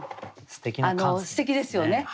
すてきですよね。